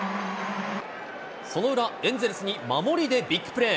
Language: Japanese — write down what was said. その裏、エンゼルスに守りでビッグプレー。